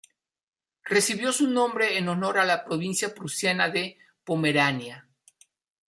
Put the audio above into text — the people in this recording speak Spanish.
Recibió su nombre en honor a la provincia prusiana de Pomerania.